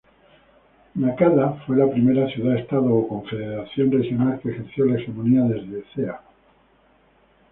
Naqada fue la primera ciudad-estado o confederación regional que ejerció la hegemonía desde ca.